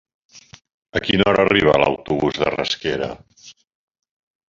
A quina hora arriba l'autobús de Rasquera?